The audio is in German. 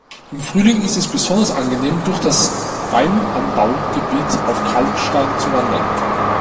Im Frühling ist es besonders angenehm durch das Weinanbaugebiet auf Kalkstein zu wandern.